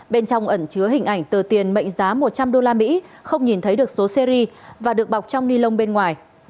bên trong ẩn chứa hình ảnh tờ tiền mệnh giá một trăm linh usd không nhìn thấy được số series và được bọc trong ni lông bên ngoài